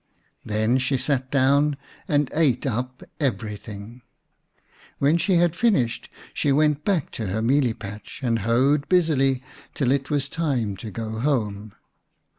Then she sat down and ate up everything. When she had finished she went back to her mealie patch and hoed busily till it was time to go home.